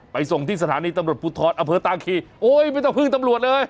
ส่งที่สถานีตำรวจภูทรอเภอตาคีโอ๊ยไม่ต้องพึ่งตำรวจเลย